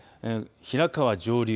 平川上流